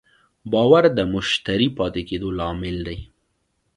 باور د مشتری پاتې کېدو لامل دی.